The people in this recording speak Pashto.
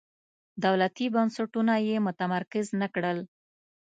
دولتي بنسټونه یې متمرکز نه کړل.